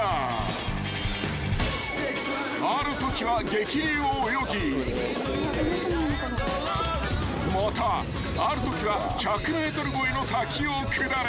［あるときは激流を泳ぎまたあるときは１００ｍ超えの滝を下る］